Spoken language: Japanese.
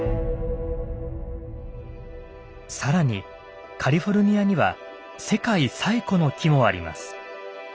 さらにカリフォルアには世界最古の木もあります。